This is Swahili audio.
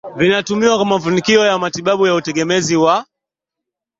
vinatumiwa kwa mafanikio katika matibabu ya utegemezi wa